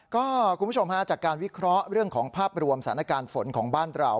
คุณผู้ชมฮะจากการวิเคราะห์เรื่องของภาพรวมสถานการณ์ฝนของบ้านเรา